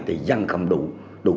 thì dân không đủ điều kiện để làm